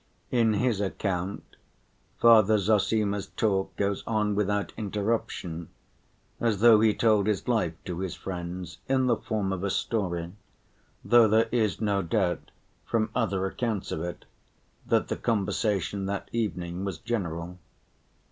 In his account, Father Zossima's talk goes on without interruption, as though he told his life to his friends in the form of a story, though there is no doubt, from other accounts of it, that the conversation that evening was general.